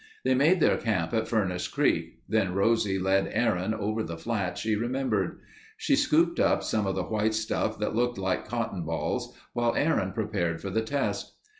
They made their camp at Furnace Creek, then Rosie led Aaron over the flats she remembered. She scooped up some of the white stuff that looked like cotton balls while Aaron prepared for the test.